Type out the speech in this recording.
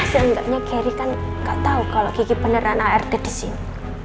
seenggaknya geri kan nggak tahu kalau kiki beneran arg di sini